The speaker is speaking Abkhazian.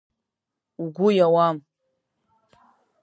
Угәы иауам…